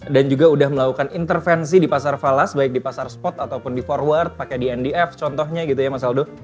dan juga udah melakukan intervensi di pasar falas baik di pasar spot ataupun di forward pakai di ndf contohnya gitu ya mas aldo